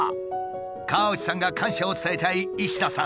河内さんが感謝を伝えたい石田さん。